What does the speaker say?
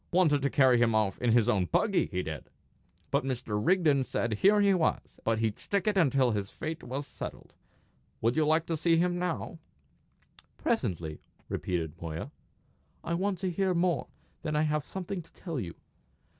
Wanted to carry him off in his own buggy, he did! But Mr. Rigden said here he was, and here he'd stick until his fate was settled. Would you like to see him now?" "Presently," repeated Moya. "I want to hear more; then I may have something to tell you.